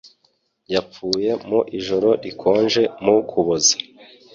Yapfuye mu ijoro rikonje mu Kuboza.